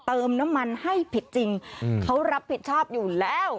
เติมน้ำมันให้ผิดจริงเขารับผิดชอบอยู่แล้ว